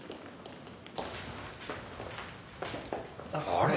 あれ？